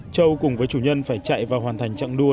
châu cùng với chủ nhân phải chạy và hoàn thành trạng đua